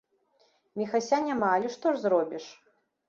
Міхася няма, але што ж зробіш?